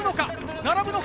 並ぶのか？